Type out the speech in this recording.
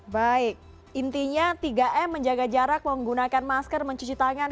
baik intinya tiga m menjaga jarak menggunakan masker mencuci tangan